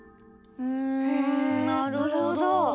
なるほど。